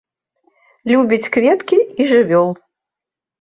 Любіць кветкі і жывёл.